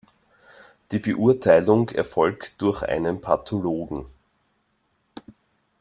Die Beurteilung erfolgt durch einen Pathologen.